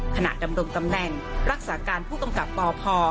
ขณะดำรงตำแหน่งรักษาการผู้กำกับปพ